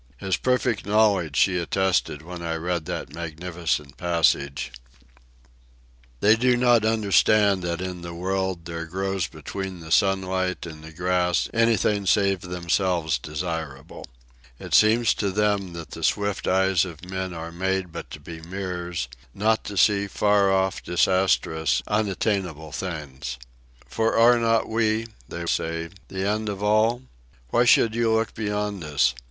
His perfect knowledge she attested when I read that magnificent passage: "They do not understand that in the world There grows between the sunlight and the grass Anything save themselves desirable. It seems to them that the swift eyes of men Are made but to be mirrors, not to see Far off, disastrous, unattainable things. 'For are not we,' they say, 'the end of all? Why should you look beyond us?